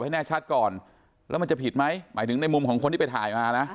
ให้แน่ชัดก่อนแล้วมันจะผิดไหมหมายถึงในมุมของคนที่ไปถ่ายมานะ